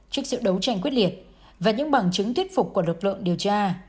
trước sự đấu tranh quyết liệt và những bằng chứng thuyết phục của lực lượng điều tra